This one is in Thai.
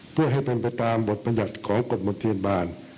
เพื่อให้เป็นประตามบทประหยัดของกฎหมดเทียนบาล